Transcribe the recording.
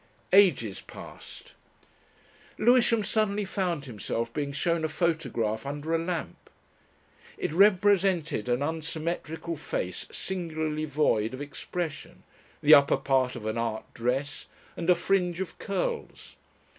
Ages passed. Lewisham suddenly found himself being shown a photograph under a lamp. It represented an unsymmetrical face singularly void of expression, the upper part of an "art" dress, and a fringe of curls.